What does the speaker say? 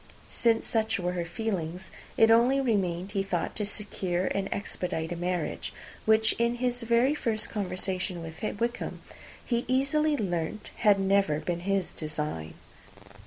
Since such were her feelings, it only remained, he thought, to secure and expedite a marriage, which, in his very first conversation with Wickham, he easily learnt had never been his design.